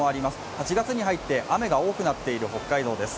８月に入って雨が多くなっている北海道です。